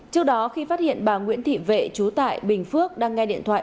trước đó khi phát hiện bà nguyễn thị vệ chú tại bình phước đang nghe điện thoại